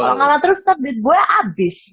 kalau ngalah terus tetep di gue abis